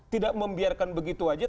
tidak membiarkan begitu saja